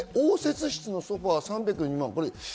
応接室のソファ３０２万。